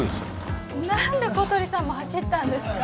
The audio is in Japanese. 何で小鳥さんも走ったんですか？